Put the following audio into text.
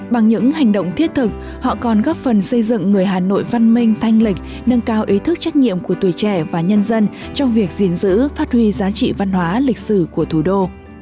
bằng những hành động thiết thực họ còn góp phần xây dựng người hà nội văn minh thanh lịch nâng cao ý thức trách nhiệm của tuổi trẻ và nhân dân trong việc gìn giữ phát huy giá trị văn hóa lịch sử của thủ đô